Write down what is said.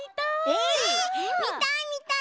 えっみたいみたい！